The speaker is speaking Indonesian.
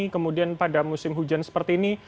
kemudian pada musim hujan seperti ini